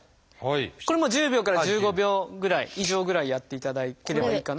これも１０秒から１５秒ぐらい以上ぐらいやっていただければいいかなと。